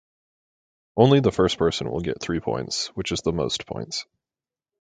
Only the first person will get three points, which is the most points.